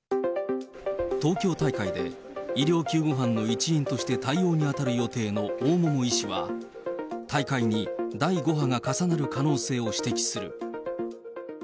東京大会で医療救護班の一員として対応に当たる予定の大桃医師は、大会に第５波が重なる可能性を指摘する。